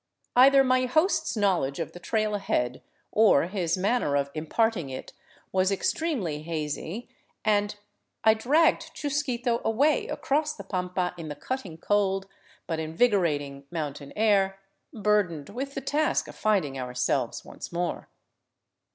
Either my host's knowledge of the trail ahead, or his manner of im parting it, was extremely hazy, and I dragged Chusquito away across the pampa in the cutting cold, but invigorating mountain air, burdened with the task of finding ourselves once more.